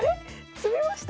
詰みました？